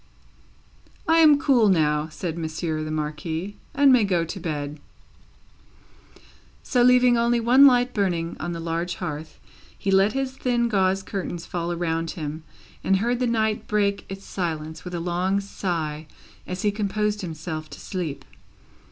"I am cool now," said Monsieur the Marquis, "and may go to bed." So, leaving only one light burning on the large hearth, he let his thin gauze curtains fall around him, and heard the night break its silence with a long sigh as he composed himself to sleep.